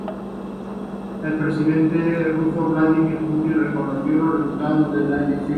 El presidente ruso Vladímir Putin reconoció los resultados de la elección.